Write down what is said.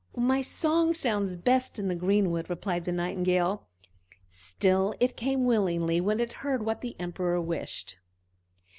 "My song sounds best in the greenwood!" replied the Nightingale; still it came willingly when it heard what the Emperor wished.